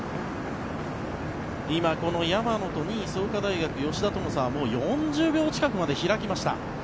今、この山野と２位、創価大学、吉田との差もう４０秒近くまで開きました。